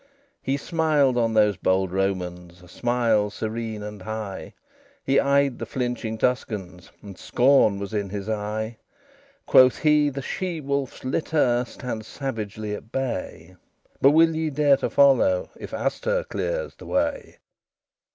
XLIII He smiled on those bold Romans A smile serene and high; He eyed the flinching Tuscans, And scorn was in his eye. Quoth he, "The she wolf's litter Stand savagely at bay: But will ye dare to follow, If Astur clears the way?"